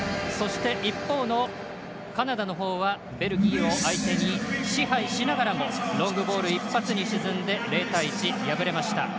一方、カナダのほうはベルギーを相手に支配しながらもロングボール一発に沈んで０対１、敗れました。